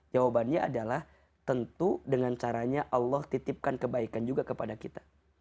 jawabannya adalah tentu dengan caranya allah titipkan kebaikan juga kepada kita